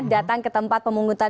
datang ke tempat pemungutan